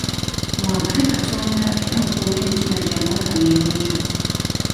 Mwagale katonda era mukuume emitima gyammwe nga miyonjo.